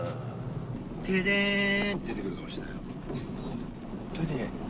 「テデーン」出てくるかもしれないよ。